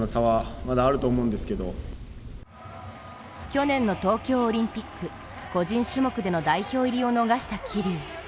去年の東京オリンピック個人種目での代表入りを逃した桐生。